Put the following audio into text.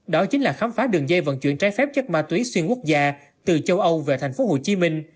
đó chính là khám phá đường dây vận chuyển trái phép chất ma túy xuyên quốc gia từ châu âu về thành phố hồ chí minh